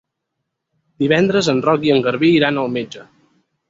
Divendres en Roc i en Garbí iran al metge.